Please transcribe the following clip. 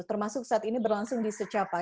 termasuk saat ini berlangsung disecapa